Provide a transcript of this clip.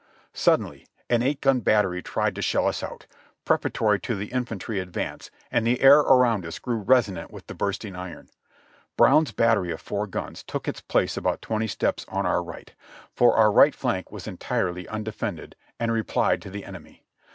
Suddenly an eight gun battery tried to shell us out, prepara tory to the infantry advance, and the air around us grew resonant with the bursting iron. Brown's battery of four guns took its place about twenty steps on our right, for our right flank was entirely THE BATTJ:.K OB' SHARPSBURG 2gi undefended, and replied to the enemy.